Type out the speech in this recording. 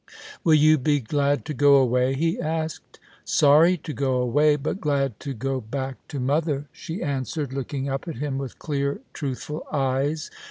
" Will you be glad to go away ?" he asked. ".Sorry to go away, but glad to go back to mother," she answered, looking up at him with clear, truthful eyes.